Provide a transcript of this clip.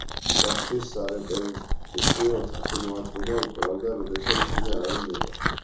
სახლში სარეპეტიციო ოთახი მოაწყო და უკრავდა, როდესაც შინ არავინ იყო.